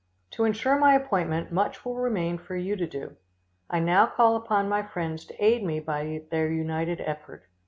To insure my appointment, much will remain for you to do. I now call upon my friends to aid me by their united effort.